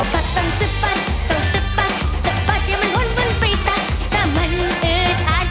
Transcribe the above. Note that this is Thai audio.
ปัดปังซึบปัดปังซึบปัดซึบปัดอย่ามันหวนหวนไปซะจ้ะมันอืดอาจ